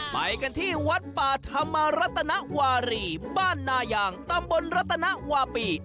ไปกันที่วัดป่าธรรมรัตนวารีบ้านนายางตำบลรัตนวาปี